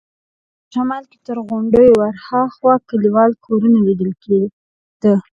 په شمال کې تر غونډیو ورهاخوا کلیوالي کورونه لیدل کېده.